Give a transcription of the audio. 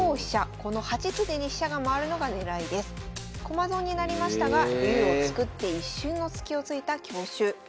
駒損になりましたが竜を作って一瞬のスキをついた強襲。